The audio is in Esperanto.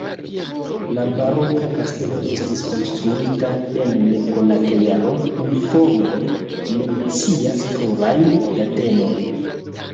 La baroka kastelo estis konstruita en nekonata jaro, informoj mencias plurajn datenojn.